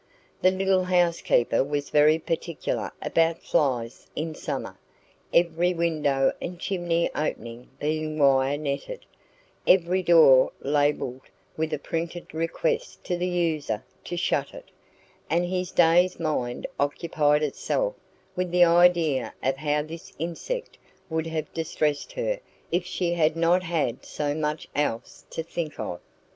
The little housekeeper was very particular about flies in summer, every window and chimney opening being wire netted, every door labelled with a printed request to the user to shut it; and his dazed mind occupied itself with the idea of how this insect would have distressed her if she had not had so much else to think of.